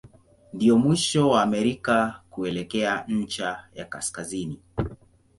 Ndio mwisho wa Amerika kuelekea ncha ya kaskazini.